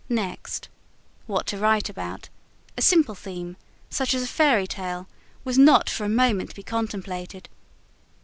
Next, what to write about a simple theme, such as a fairy tale, was not for a moment to be contemplated.